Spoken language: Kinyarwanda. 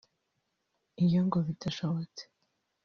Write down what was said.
Iyo ngo bidashobotse